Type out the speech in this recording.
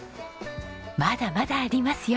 まだまだありますよ。